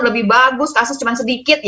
lebih bagus kasus cuma sedikit